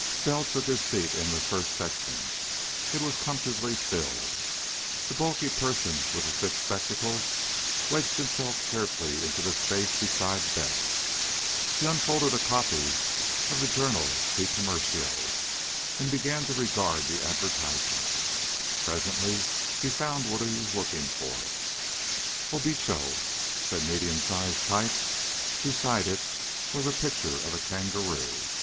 Bell took his seat in the first section. It was comfortably filled. The bulky person with the thick spectacles wedged himself carefully into the space beside Bell. He unfolded a copy of the Jornal do Commercio and began to regard the advertisements. Presently he found what he was looking for. "O Bicho," said medium sized type. Beside it was a picture of a kangaroo.